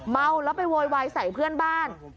เมาแล้วไปโวยวายใส่เพื่อนบ้าน